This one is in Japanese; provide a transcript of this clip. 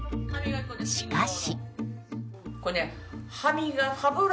しかし。